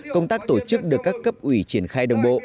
công tác tổ chức được các cấp ủy triển khai đồng bộ